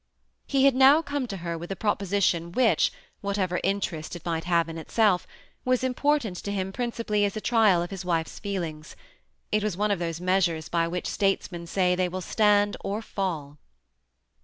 He had now come to her with a proposition which, whatever interest it might have in itself, was important to him, principally as a trial of his wife's feelings : it was one of those measures by which statesmen say, they will stand or fall.